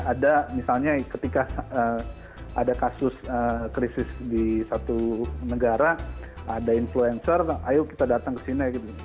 ada misalnya ketika ada kasus krisis di satu negara ada influencer ayo kita datang ke sini gitu